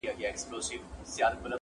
د قاضي مخ ته ولاړ وو لاس تړلى!!